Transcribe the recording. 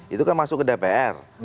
itu kan masuk ke dpr